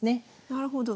なるほど。